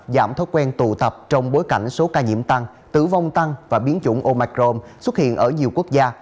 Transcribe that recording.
giảm thói quen tụ tập trong bối cảnh số ca nhiễm tăng tử vong tăng và biến chủng omcron xuất hiện ở nhiều quốc gia